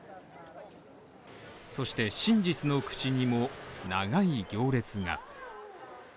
そして真実の口にも長い行列が。